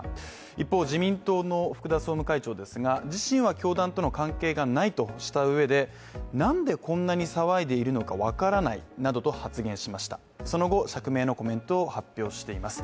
一方、自民党の福田総務会長ですが自身は教団との関係がないとしたうえで、何でこんなに騒いでいるのか分からないとコメントしました。